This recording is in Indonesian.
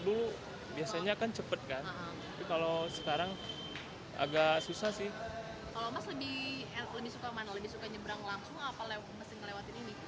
dulu biasanya akan cepet kan kalau sekarang agak susah sih lebih lebih suka mana lebih suka